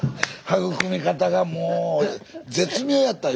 育み方がもう絶妙やった